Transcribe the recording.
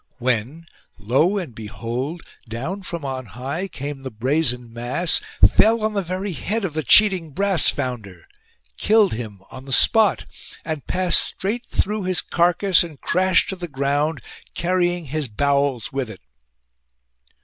When, lo and behold ! down from on high came the brazen mass ; fell on the very head of the cheating brass founder ; killed him on the spot ; and passed straight through his carcass and crashed to the ground carrying his bowels with it.